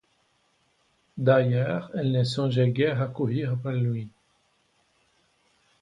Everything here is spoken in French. D'ailleurs, elle ne songeait guère à courir après lui.